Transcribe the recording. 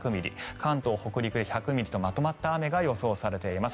関東北陸で１００ミリとまとまった雨が予想されています。